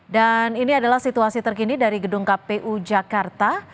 dan ini adalah situasi terkini dari gedung kpu jakarta